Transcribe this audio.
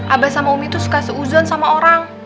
abah sama umi itu suka seuzon sama orang